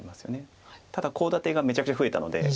ただコウ立てがめちゃくちゃ増えたので。